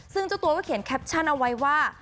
ซึ่งเจ้าตัวก็เขียนแคปชั่นเอาไว้ว่า